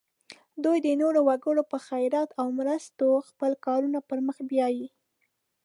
دوی د نورو وګړو په خیرات او مرستو خپل کارونه پر مخ بیایي.